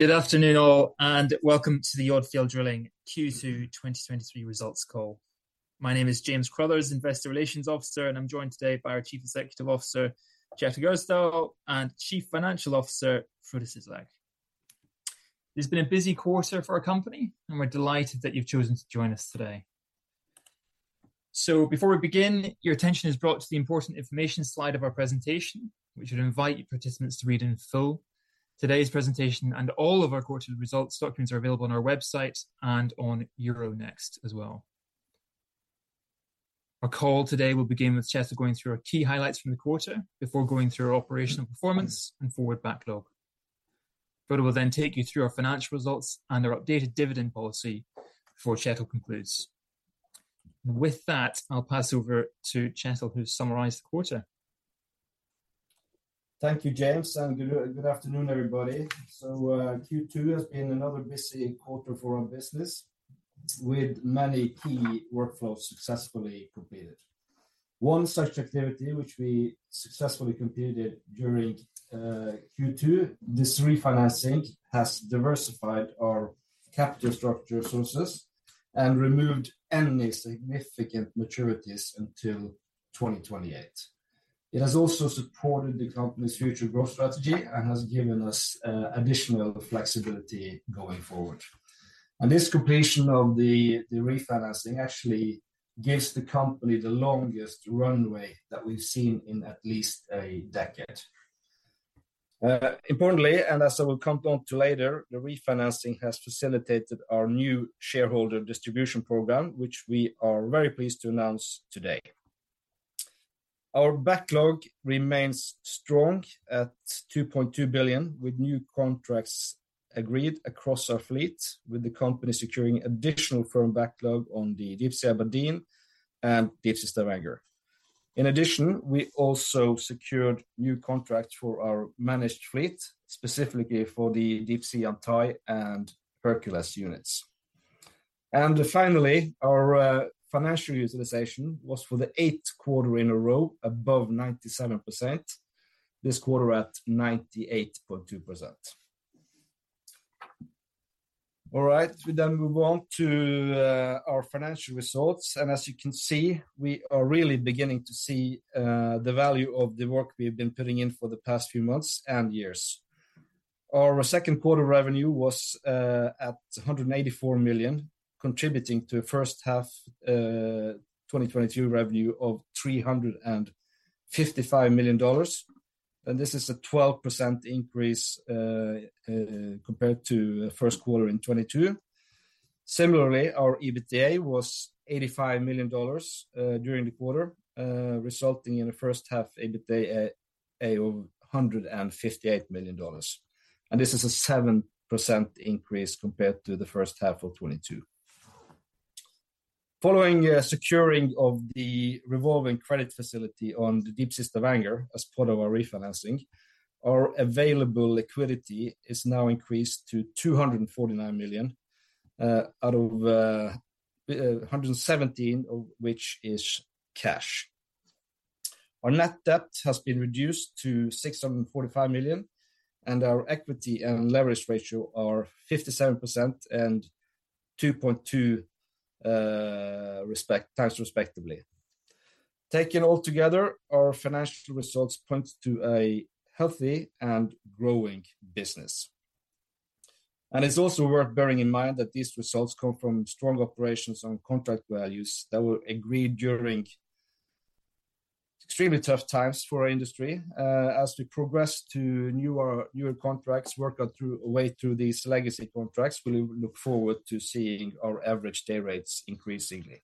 Good afternoon, all, and welcome to the Odfjell Drilling Q2 2023 Results Call. My name is James Crothers, investor relations officer, and I'm joined today by our Chief Executive Officer, Kjetil Gjersdal, and Chief Financial Officer, Frode Syslak. It's been a busy quarter for our company, and we're delighted that you've chosen to join us today. Before we begin, your attention is brought to the important information slide of our presentation, which we invite you participants to read in full. Today's presentation and all of our quarter results documents are available on our website and on Euronext as well. Our call today will begin with Kjetil going through our key highlights from the quarter before going through our operational performance and forward backlog. Frode will take you through our financial results and our updated dividend policy before Kjetil concludes. With that, I'll pass over to Kjetil, who'll summarize the quarter. Thank you, James, and good, good afternoon, everybody. Q2 has been another busy quarter for our business, with many key workflows successfully completed. One such activity which we successfully completed during Q2, this refinancing has diversified our capital structure sources and removed any significant maturities until 2028. It has also supported the company's future growth strategy and has given us additional flexibility going forward. This completion of the, the refinancing actually gives the company the longest runway that we've seen in at least a decade. Importantly, and as I will come down to later, the refinancing has facilitated our new shareholder distribution program, which we are very pleased to announce today. Our backlog remains strong at $2.2 billion, with new contracts agreed across our fleet, with the company securing additional firm backlog on the Deepsea Aberdeen and Deepsea Stavanger. In addition, we also secured new contracts for our managed fleet, specifically for the Deepsea Yantai and Hercules units. Finally, our financial utilization was for the eighth quarter in a row above 97%, this quarter at 98.2%. All right, we then move on to our financial results, and as you can see, we are really beginning to see the value of the work we've been putting in for the past few months and years. Our second quarter revenue was at $184 million, contributing to a first half 2022 revenue of $355 million. This is a 12% increase compared to the first quarter in 2022. Similarly, our EBITDA was $85 million during the quarter, resulting in a first half EBITDA of $158 million. This is a 7% increase compared to the first half of 2022. Following a securing of the revolving credit facility on the Deepsea Stavanger as part of our refinancing, our available liquidity is now increased to $249 million, $117 million of which is cash. Our net debt has been reduced to $645 million, and our equity and leverage ratio are 57% and 2.2x respectively. Taken all together, our financial results point to a healthy and growing business. It's also worth bearing in mind that these results come from strong operations on contract values that were agreed during extremely tough times for our industry. As we progress to newer, newer contracts, work our through, a way through these legacy contracts, we look forward to seeing our average day rates increasingly.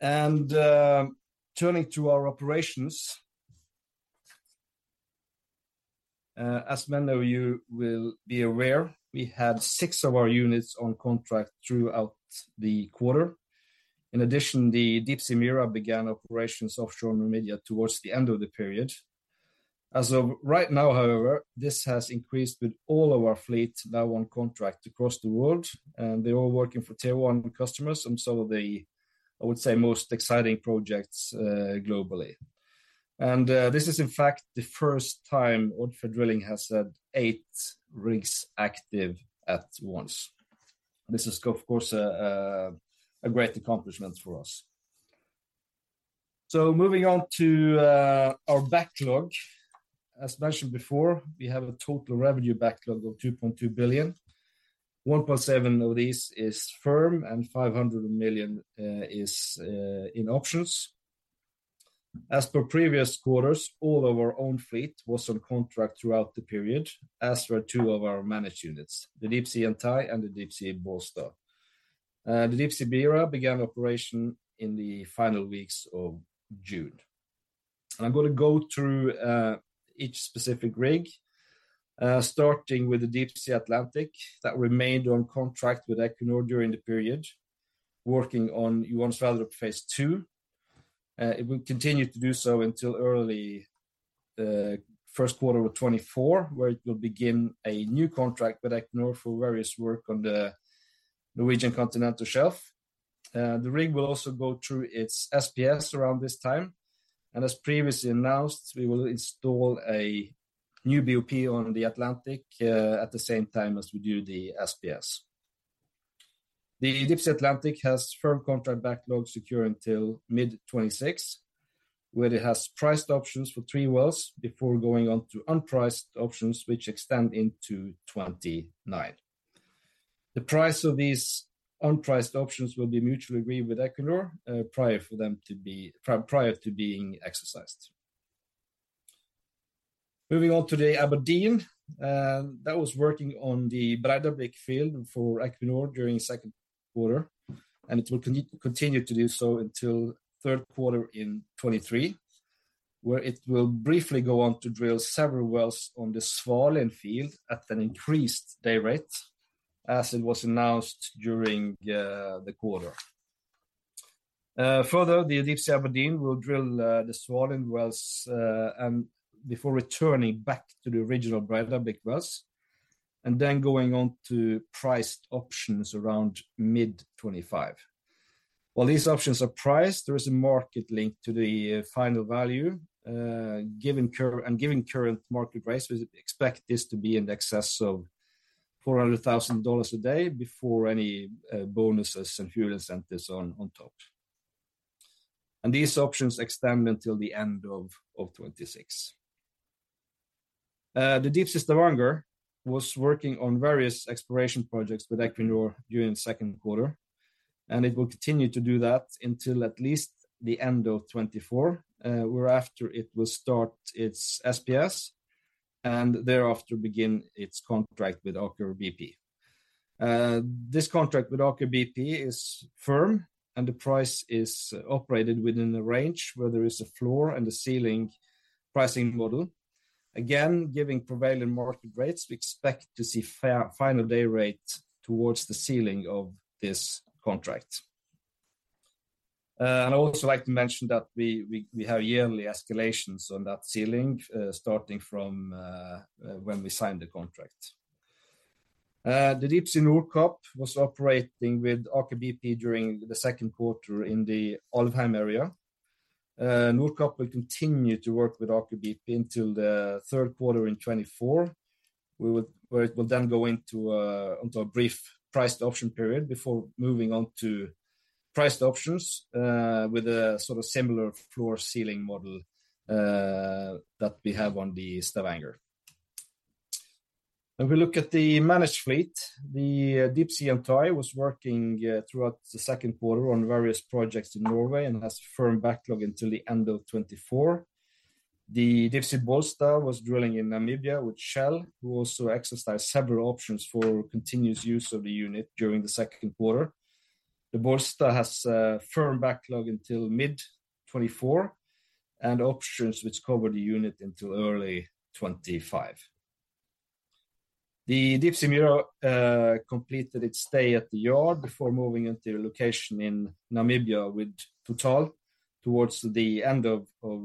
Turning to our operations, as many of you will be aware, we had six of our units on contract throughout the quarter. In addition, the Deepsea Mira began operations offshore Namibia towards the end of the period. As of right now, however, this has increased, with all of our fleet now on contract across the world, and they're all working for Tier 1 customers on some of the, I would say, most exciting projects globally. This is in fact the first time Odfjell Drilling has had eight rigs active at once. This is, of course, a great accomplishment for us. Moving on to our backlog. As mentioned before, we have a total revenue backlog of $2.2 billion. $1.7 billion of these is firm and $500 million is in options. As per previous quarters, all of our own fleet was on contract throughout the period, as were two of our managed units, the Deepsea Yantai and the Deepsea Bollsta. The Deepsea Mira began operation in the final weeks of June. I'm gonna go through each specific rig, starting with the Deepsea Atlantic, that remained on contract with Equinor during the period, working on Johan Sverdrup Phase 2. It will continue to do so until early first quarter of 2024, where it will begin a new contract with Equinor for various work on the Norwegian Continental Shelf. The rig will also go through its SPS around this time. As previously announced, we will install a new BOP on the Atlantic at the same time as we do the SPS. The Deepsea Atlantic has firm contract backlog secure until mid-2026, where it has priced options for 3 wells before going on to unpriced options, which extend into 2029. The price of these unpriced options will be mutually agreed with Equinor prior for them to be prior to being exercised. Moving on to the Aberdeen, that was working on the Breidablikk field for Equinor during second quarter. It will continue to do so until third quarter in 2023, where it will briefly go on to drill several wells on the Svalin field at an increased day rate, as it was announced during the quarter. Further, the Deepsea Aberdeen will drill the Svalin wells, and before returning back to the original Breidablikk wells, and then going on to priced options around mid-2025. While these options are priced, there is a market link to the final value. Given current market price, we expect this to be in excess of $400,000 a day before any bonuses and fuel incentives on top. These options extend until the end of 2026. The Deepsea Stavanger was working on various exploration projects with Equinor during the second quarter, and it will continue to do that until at least the end of 2024. Hereafter, it will start its SPS, and thereafter begin its contract with Aker BP. This contract with Aker BP is firm, and the price is operated within a range, where there is a floor and a ceiling pricing model. Again, giving prevailing market rates, we expect to see fair- final day rates towards the ceiling of this contract. And I'd also like to mention that we, we, we have yearly escalations on that ceiling, starting from when we signed the contract. The Deepsea Nordkapp was operating with Aker BP during the second quarter in the Alvheim area. Nordkapp will continue to work with Aker BP until the third quarter in 2024, where it will then go into a, onto a brief priced option period before moving on to priced options, with a sort of similar floor-ceiling model that we have on the Stavanger. If we look at the managed fleet, the Deepsea Antares was working throughout the second quarter on various projects in Norway and has a firm backlog until the end of 2024. The Deepsea Bollsta was drilling in Namibia with Shell, who also exercised several options for continuous use of the unit during the second quarter. The Bollsta has a firm backlog until mid-2024 and options which cover the unit until early 2025. The Deepsea Mira completed its stay at the yard before moving into a location in Namibia with TotalEnergies towards the end of, of,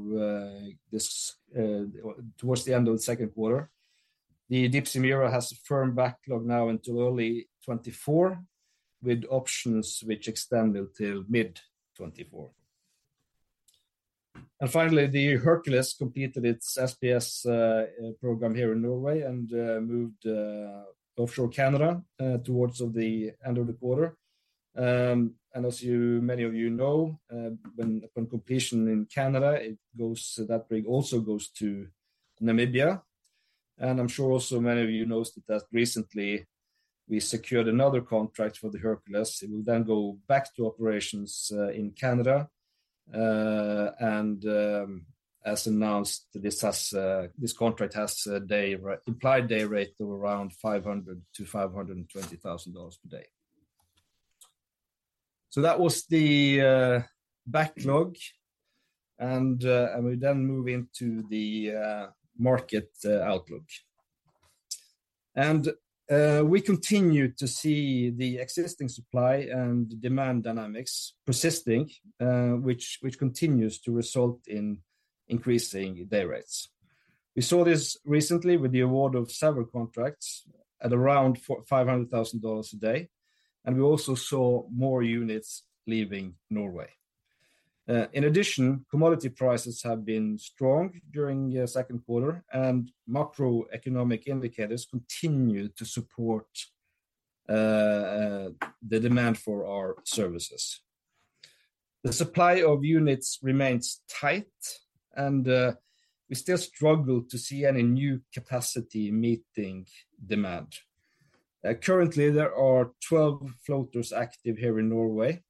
this, or towards the end of the second quarter. The Deepsea Mira has a firm backlog now until early 2024, with options which extend until mid-2024. Finally, the Hercules completed its SPS program here in Norway and moved offshore Canada towards the end of the quarter. As you, many of you know, when upon completion in Canada, it goes, that rig also goes to Namibia. I'm sure also many of you noticed that recently we secured another contract for the Hercules. It will then go back to operations in Canada. As announced, this contract has a implied day rate of around $500,000-$520,000 per day. That was the backlog, we then move into the market outlook. We continue to see the existing supply and demand dynamics persisting, which, which continues to result in increasing day rates. We saw this recently with the award of several contracts at around $500,000 a day, we also saw more units leaving Norway. In addition, commodity prices have been strong during the second quarter, macroeconomic indicators continue to support the demand for our services. The supply of units remains tight, we still struggle to see any new capacity meeting demand. Currently, there are 12 floaters active here in Norway,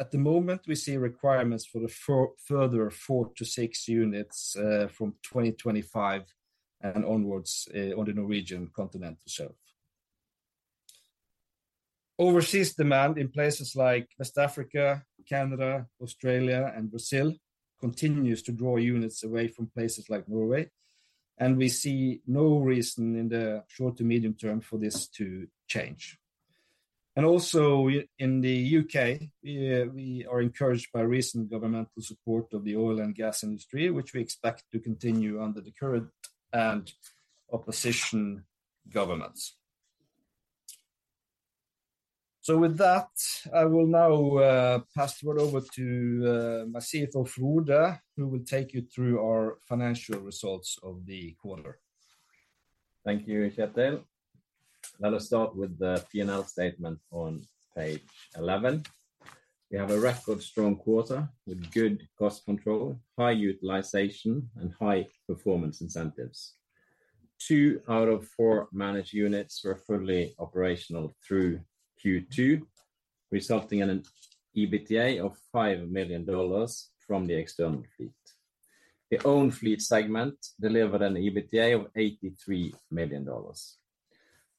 at the moment, we see requirements for a further four to six units from 2025 and onwards on the Norwegian Continental Shelf. Overseas demand in places like West Africa, Canada, Australia, and Brazil continues to draw units away from places like Norway, we see no reason in the short to medium term for this to change. Also, in the UK, we are encouraged by recent governmental support of the oil and gas industry, which we expect to continue under the current and opposition governance. With that, I will now pass the word over to my CFO Frode, who will take you through our financial results of the quarter. Thank you, Kjetil. Let us start with the P&L statement on page 11. We have a record strong quarter with good cost control, high utilization, and high performance incentives. Two out of four managed units were fully operational through Q2, resulting in an EBITDA of $5 million from the external fleet. The own fleet segment delivered an EBITDA of $83 million.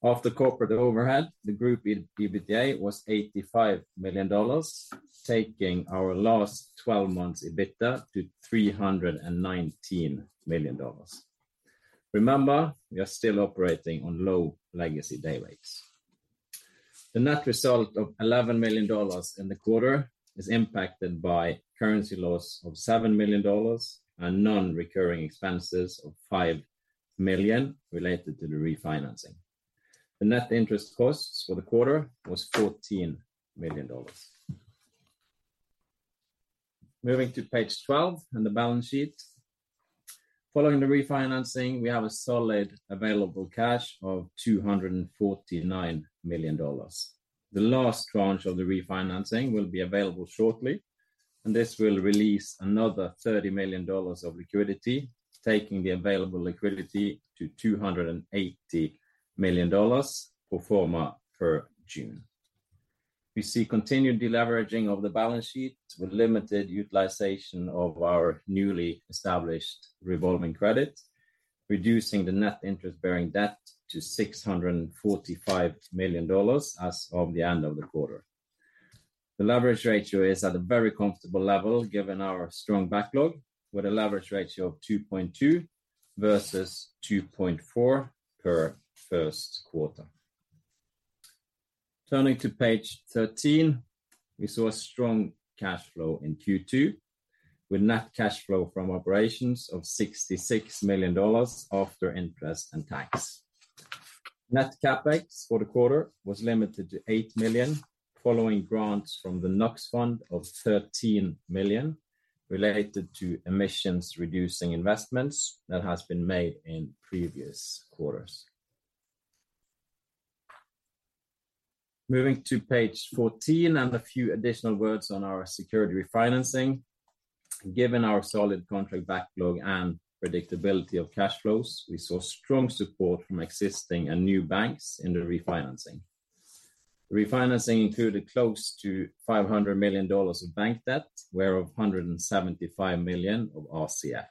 After corporate overhead, the group EBITDA was $85 million, taking our last 12 months EBITDA to $319 million. Remember, we are still operating on low legacy day rates. The net result of $11 million in the quarter is impacted by currency loss of $7 million and non-recurring expenses of $5 million related to the refinancing. The net interest costs for the quarter was $14 million. Moving to page 12 and the balance sheet. Following the refinancing, we have a solid available cash of $249 million. The last tranche of the refinancing will be available shortly. This will release another $30 million of liquidity, taking the available liquidity to $280 million pro forma for June. We see continued deleveraging of the balance sheet with limited utilization of our newly established revolving credit, reducing the net interest-bearing debt to $645 million as of the end of the quarter. The leverage ratio is at a very comfortable level, given our strong backlog, with a leverage ratio of 2.2 versus 2.4 per first quarter. Turning to page 13, we saw a strong cash flow in Q2, with net cash flow from operations of $66 million after interest and tax. Net CapEx for the quarter was limited to $8 million, following grants from the NOx Fund of $13 million related to emissions reducing investments that has been made in previous quarters. Moving to page 14 and a few additional words on our security refinancing. Given our solid contract backlog and predictability of cash flows, we saw strong support from existing and new banks in the refinancing. Refinancing included close to $500 million of bank debt, whereof $175 million of RCF.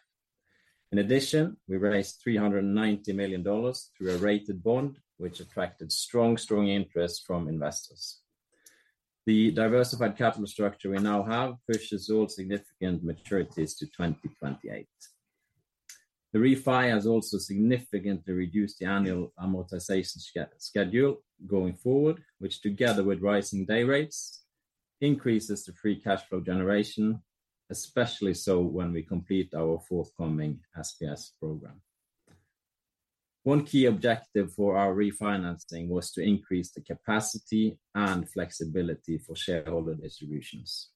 In addition, we raised $390 million through a rated bond, which attracted strong, strong interest from investors. The diversified capital structure we now have pushes all significant maturities to 2028. The refi has also significantly reduced the annual amortization schedule going forward, which together with rising day rates, increases the free cash flow generation, especially so when we complete our forthcoming SPS program. One key objective for our refinancing was to increase the capacity and flexibility for shareholder distributions.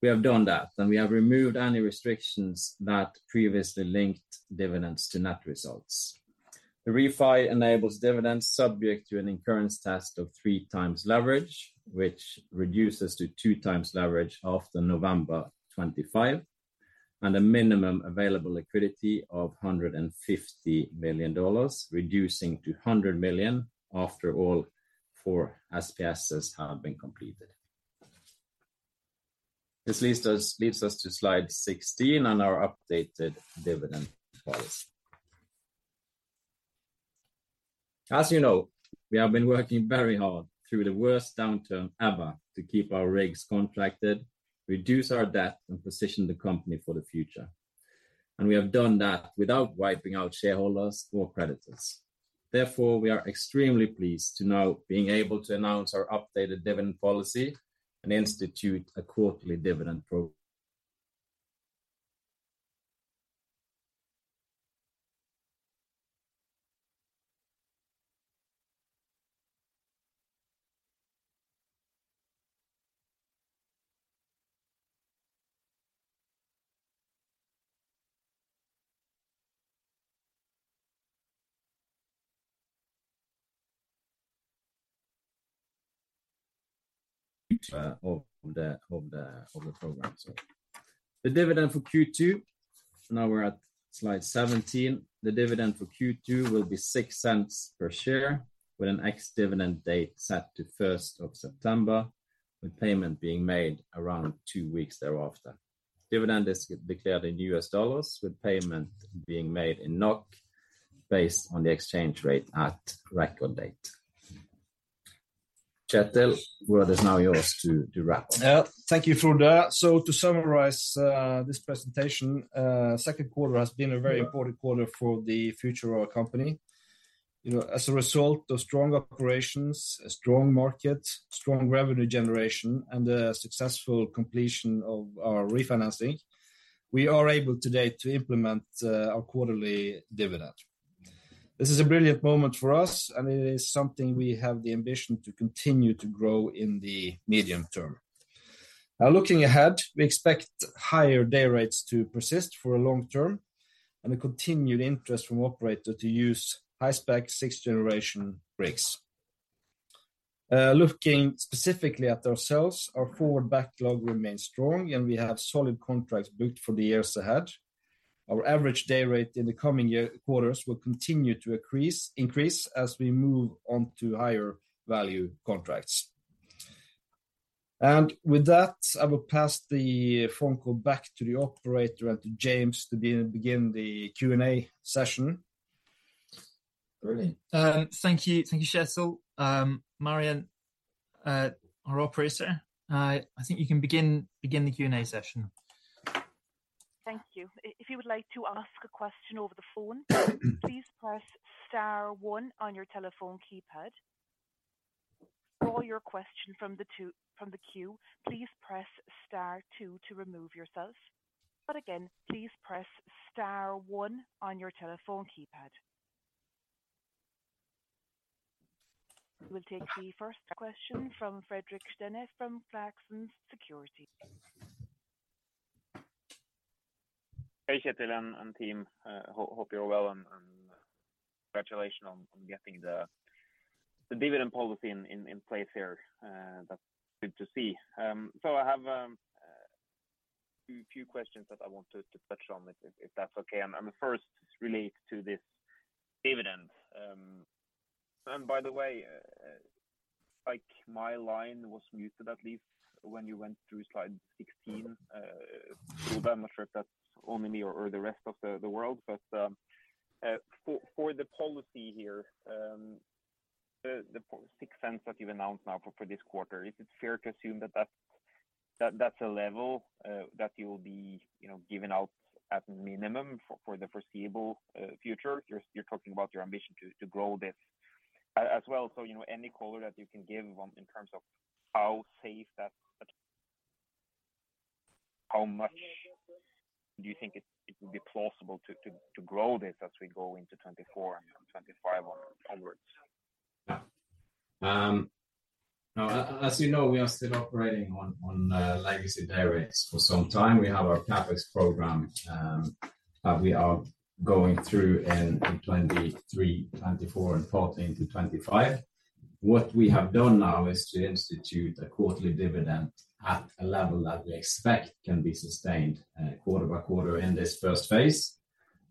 We have done that, we have removed any restrictions that previously linked dividends to net results. The refi enables dividends subject to an incurrence test of 3 times leverage, which reduces to two times leverage after November 25, and a minimum available liquidity of $150 million, reducing to $100 million after all four SPSs have been completed. This leads us to slide 16 on our updated dividend policy. As you know, we have been working very hard through the worst downturn ever to keep our rigs contracted, reduce our debt, and position the company for the future, and we have done that without wiping out shareholders or creditors. Therefore, we are extremely pleased to now being able to announce our updated dividend policy and institute a quarterly dividend program. The dividend for Q2, now we're at slide 17. The dividend for Q2 will be $0.06 per share, with an ex-dividend date set to 1st of September, with payment being made around two weeks thereafter. Dividend is declared in US dollars, with payment being made in NOK, based on the exchange rate at record date. Kjetil, the word is now yours to, to wrap up. Yeah, thank you, Frode. To summarize, this presentation, second quarter has been a very important quarter for the future of our company. You know, as a result of strong operations, a strong market, strong revenue generation, and a successful completion of our refinancing, we are able today to implement our quarterly dividend. This is a brilliant moment for us, and it is something we have the ambition to continue to grow in the medium term. Now, looking ahead, we expect higher day rates to persist for a long term and a continued interest from operator to use high-spec sixth-generation rigs. Looking specifically at ourselves, our forward backlog remains strong, and we have solid contracts booked for the years ahead. Our average day rate in the coming year quarters will continue to increase as we move on to higher value contracts. With that, I will pass the phone call back to the operator and to James to begin the Q&A session. Brilliant. Thank you. Thank you, Kjetil. Marian, our operator, I think you can begin the Q&A session. Thank you. If you would like to ask a question over the phone, please press star one on your telephone keypad. For your question from the queue, please press star two to remove yourselves. Again, please press star one on your telephone keypad. We'll take the first question from Fredrik Stene from Clarksons Securities. Hey, Kjetil and team, hope you're well, and congratulations on getting the dividend policy in place here. That's good to see. I have a few questions that I want to touch on, if that's okay. The first relates to this dividend. By the way, like, my line was muted, at least when you went through slide 16. I'm not sure if that's only me or the rest of the world. For the policy here, the $0.06 that you've announced now for this quarter, is it fair to assume that that's a level that you will be, you know, giving out at minimum for the foreseeable future? You're, you're talking about your ambition to, to grow this as well. you know, any color that you can give on in terms of how safe that... How much do you think it, it will be plausible to, to, to grow this as we go into 2024 and 2025 onwards? Yeah. Now, as you know, we are still operating on legacy day rates for some time. We have our CapEx program that we are going through in 2023, 2024, and 14 to 2025. What we have done now is to institute a quarterly dividend at a level that we expect can be sustained quarter-by-quarter in this first phase.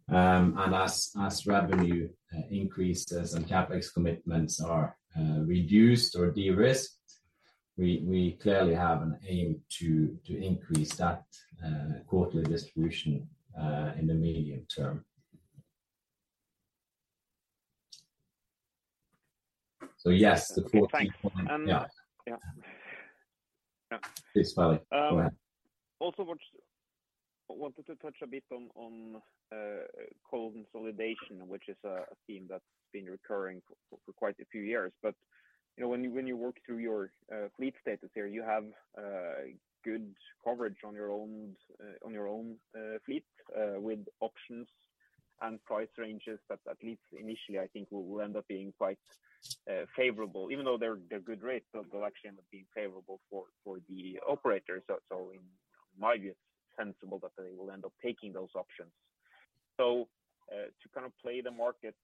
As revenue increases and CapEx commitments are reduced or de-risked, we clearly have an aim to increase that quarterly distribution in the medium term. Yes, the 14 point- Thank you. Yeah. Yeah. Yeah. Please, Fredrik, go ahead. Also want, wanted to touch a bit on, on coal consolidation, which is a, a theme that's been recurring for, for quite a few years. You know, when you, when you walk through your fleet status here, you have good coverage on your own, on your own fleet, with options and price ranges that at least initially, I think will, will end up being quite favorable. Even though they're, they're good rates, but they'll actually end up being favorable for, for the operators. In my view, it's sensible that they will end up taking those options. To kind of play the market,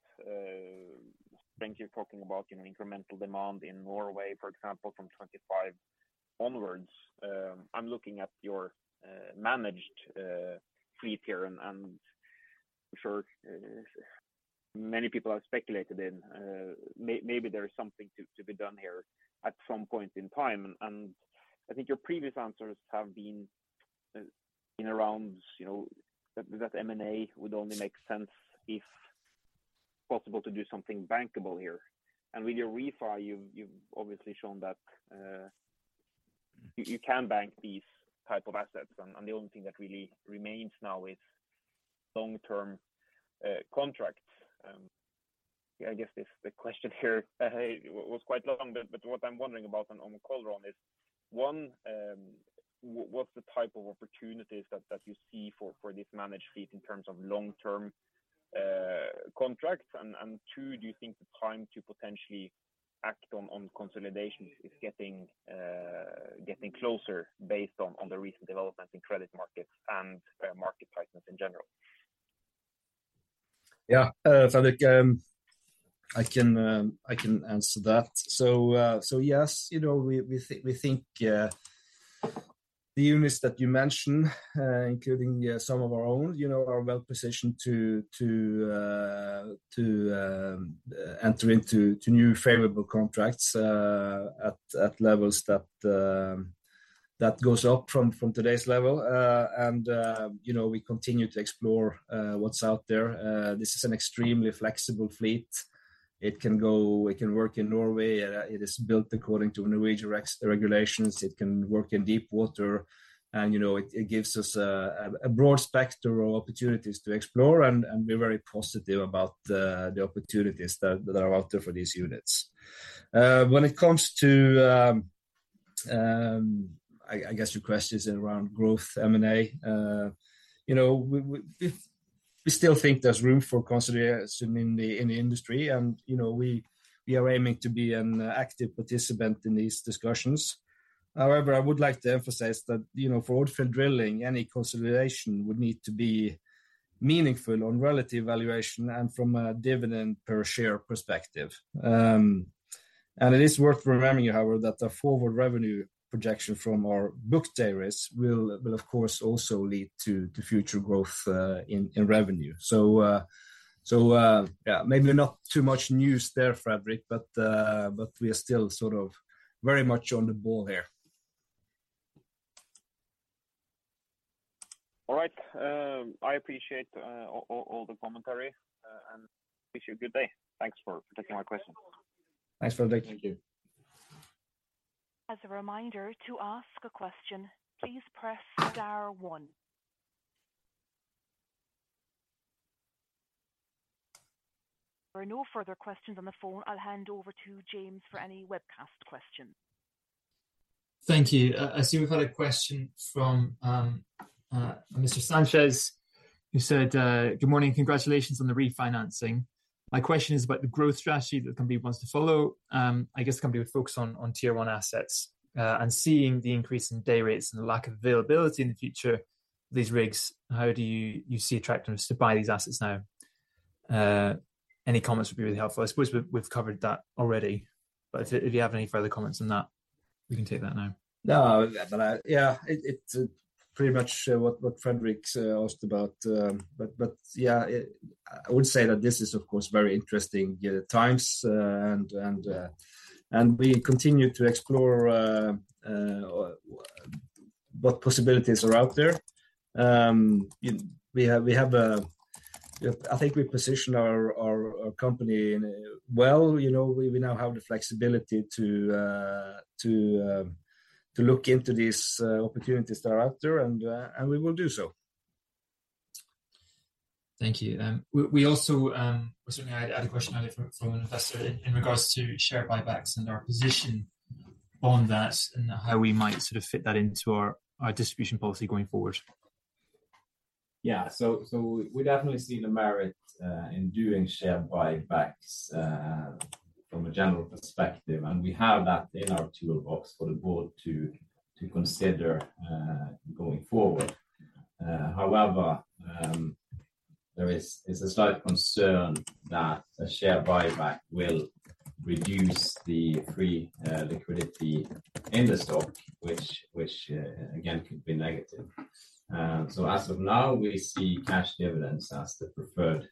when you're talking about, you know, incremental demand in Norway, for example, from 25 onwards, I'm looking at your managed fleet here, and, and for many people have speculated in maybe there is something to, to be done here at some point in time. I think your previous answers have been in around, you know, that, that M&A would only make sense if possible, to do something bankable here. With your refi, you've, you've obviously shown that you, you can bank these type of assets, and, and the only thing that really remains now is long-term contracts. I guess this, the question here, was quite long, but what I'm wondering about on call is, one, what's the type of opportunities that you see for this managed fleet in terms of long-term contracts? And two, do you think the time to potentially act on consolidation is getting closer based on the recent developments in credit markets and market prices in general? Yeah, Fredrik, I can answer that. Yes, you know, we, we think, we think the units that you mentioned, including some of our own, you know, are well positioned to, to, to enter into, to new favorable contracts, at, at levels that, that goes up from, from today's level. You know, we continue to explore what's out there. This is an extremely flexible fleet. It can go-- It can work in Norway. It is built according to Norwegian reg- regulations. It can work in deep water, and, you know, it, it gives us a broad spectrum of opportunities to explore, and, and we're very positive about the, the opportunities that, that are out there for these units. When it comes to-... I guess your question is around growth M&A. You know, we, we, we, we still think there's room for consolidation in the, in the industry, and, you know, we are aiming to be an active participant in these discussions. However, I would like to emphasize that, you know, for offshore drilling, any consolidation would need to be meaningful on relative valuation and from a dividend per share perspective. It is worth remembering, however, that the forward revenue projection from our book day rates will, will of course, also lead to future growth in revenue. Yeah, maybe not too much news there, Fredrik, but we are still sort of very much on the ball here. All right. I appreciate, all the commentary, and wish you a good day. Thanks for taking my questions. Thanks, Fredrik. Thank you. As a reminder, to ask a question, please press star one. There are no further questions on the phone. I'll hand over to James for any webcast questions. Thank you. I see we've had a question from Sanchez, who said, "Good morning, congratulations on the refinancing. My question is about the growth strategy the company wants to follow. I guess the company would focus on, on Tier 1 assets. And seeing the increase in day rates and the lack of availability in the future, these rigs, how do you, you see attractiveness to buy these assets now? Any comments would be really helpful." I suppose we've, we've covered that already, but if you have any further comments on that, we can take that now. No, but I... Yeah, it, it's pretty much what Fredrik asked about. But yeah, it, I would say that this is, of course, very interesting times, and we continue to explore what possibilities are out there. We have, we have a- I think we position our, our, our company well, you know, we, we now have the flexibility to look into these opportunities that are out there, and, and we will do so. Thank you. We, we also, certainly I had a question from, from an investor in regards to share buybacks and our position on that, and how we might sort of fit that into our, our distribution policy going forward. Yeah. We definitely see the merit in doing share buybacks from a general perspective, and we have that in our toolbox for the board to consider going forward. However, there is a slight concern that a share buyback will reduce the free liquidity in the stock, which again, could be negative. As of now, we see cash dividends as the preferred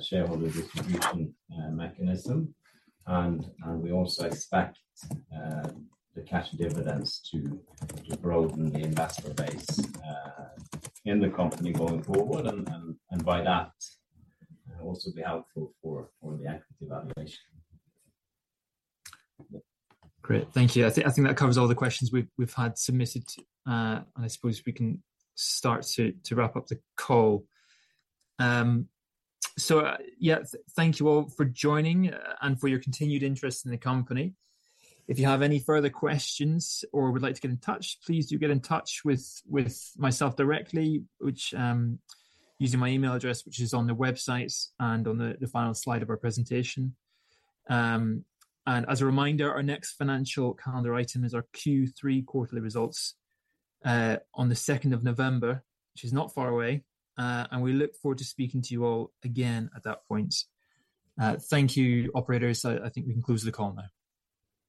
shareholder distribution mechanism. We also expect the cash dividends to broaden the investor base in the company going forward, and by that, also be helpful for the equity valuation. Great. Thank you. I think, I think that covers all the questions we've, we've had submitted. I suppose we can start to wrap up the call. So yeah, thank you all for joining and for your continued interest in the company. If you have any further questions or would like to get in touch, please do get in touch with, with myself directly, which, using my email address, which is on the website and on the, the final slide of our presentation. As a reminder, our next financial calendar item is our Q3 quarterly results, on the second of November, which is not far away. We look forward to speaking to you all again at that point. Thank you, operators. I, I think we can close the call now.